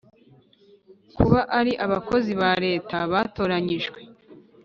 kuba ari abakozi ba Leta batoranyijwe